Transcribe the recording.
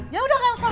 yaudah gak usah